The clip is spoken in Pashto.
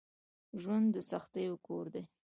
ژوند دسختیو کور دی